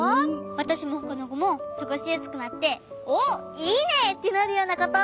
わたしもほかのこもすごしやすくなって「おっいいね！」ってなるようなこと。